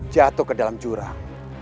jatuh ke dalam jurang